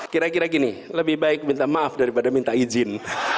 kira kira gini lebih baik minta maaf daripada minta izin